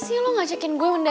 ya positif tinggi dong ya